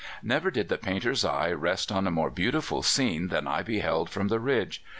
"Never did the painter's eye rest on a more beautiful scene than I beheld from the ridge.